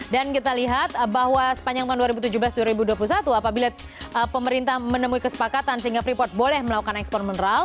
kita lihat bahwa sepanjang tahun dua ribu tujuh belas dua ribu dua puluh satu apabila pemerintah menemui kesepakatan sehingga freeport boleh melakukan ekspor mineral